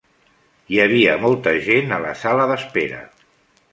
Hi havia molta gent a la sala d'espera.